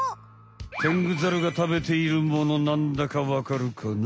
テングザルが食べているものなんだかわかるかな？